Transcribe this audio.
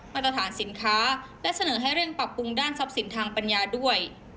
มาตรฐานสินค้าและเสนอให้เร่งปรับปรุงด้านทรัพย์สินทางปัญญาด้วย